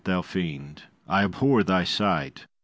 thou fiend. I abhor thy sight.